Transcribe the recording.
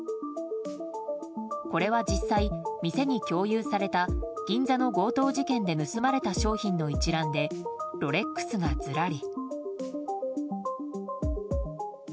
これは実際、店に共有された銀座の強盗事件で盗まれた商品の一覧でロレックスがずらり。